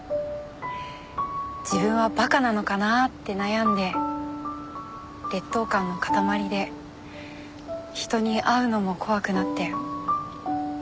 自分は馬鹿なのかなって悩んで劣等感の塊で人に会うのも怖くなって。